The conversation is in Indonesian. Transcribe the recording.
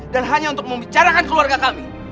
dan hanya untuk membicarakan keluarga kami